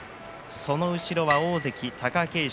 その後ろ、大関貴景勝